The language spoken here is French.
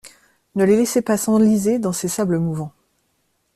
Ne les laissez pas s’enliser dans ces sables mouvants.